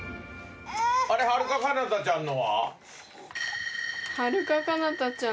はるかかなたちゃんの。